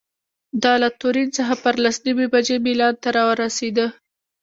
دا له تورین څخه پر لس نیمې بجې میلان ته رارسېده.